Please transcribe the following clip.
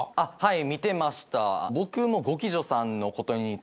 はい。